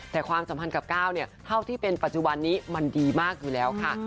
แต่ความสัมพันธ์กับก้าวเนี่ยเท่าที่เป็นปัจจุบันนี้มันดีมากอยู่แล้วค่ะ